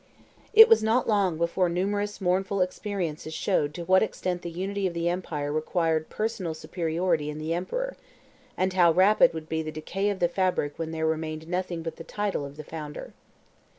It was not long before numerous mournful experiences showed to what extent the unity of the empire required personal superiority in the emperor, and how rapid would be the decay of the fabric when there remained nothing but the title of the founder.